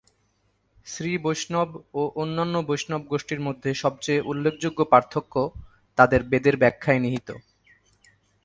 শ্রী বৈষ্ণব ও অন্যান্য বৈষ্ণব গোষ্ঠীর মধ্যে সবচেয়ে উল্লেখযোগ্য পার্থক্য তাদের বেদের ব্যাখ্যায় নিহিত।